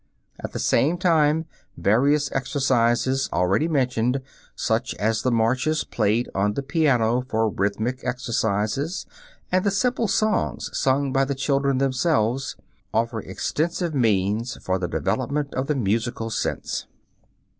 At the same time various exercises, already mentioned, such as the marches played on the piano for rhythmic exercises, and the simple songs sung by the children themselves, offer extensive means for the development of the musical sense.